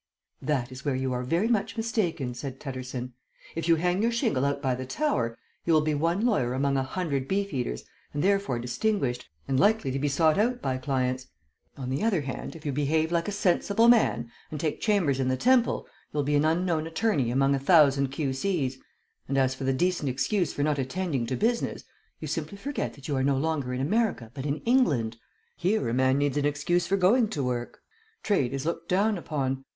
"That is where you are very much mistaken," said Tutterson. "If you hang your shingle out by the Tower, you will be one lawyer among a hundred Beef Eaters, and therefore distinguished, and likely to be sought out by clients. On the other hand, if you behave like a sensible man, and take chambers in the Temple, you'll be an unknown attorney among a thousand Q.C's. And as for the decent excuse for not attending to business, you simply forget that you are no longer in America but in England. Here a man needs an excuse for going to work. Trade is looked down upon.